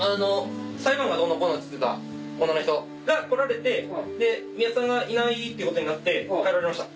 裁判がどうのこうのっつってた女の人が来られて宮田さんがいないってことになって帰られました。